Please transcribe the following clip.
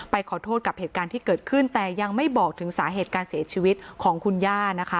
ขอโทษกับเหตุการณ์ที่เกิดขึ้นแต่ยังไม่บอกถึงสาเหตุการเสียชีวิตของคุณย่านะคะ